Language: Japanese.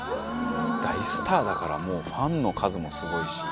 大スターだから、もうファンの数もすごいし。